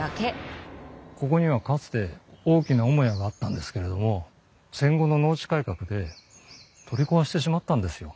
ここにはかつて大きな主屋があったんですけれども戦後の農地改革で取り壊してしまったんですよ。